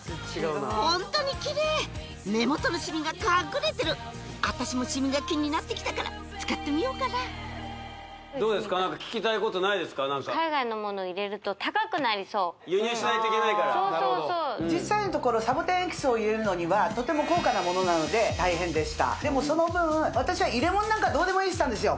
ホントにキレイ目元のシミが隠れてる私もシミが気になってきたから使ってみようかなどうですか何か海外の輸入しないといけないからそうそうそう実際のところサボテンエキスを入れるのにはとても高価なものなので大変でしたでもその分私は入れ物なんかどうでもいいっつったんですよ